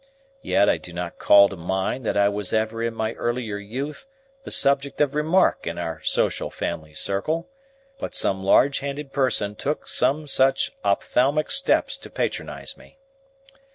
Yet I do not call to mind that I was ever in my earlier youth the subject of remark in our social family circle, but some large handed person took some such ophthalmic steps to patronise me.